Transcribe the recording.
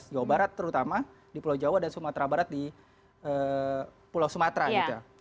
jawa barat terutama di pulau jawa dan sumatera barat di pulau sumatera gitu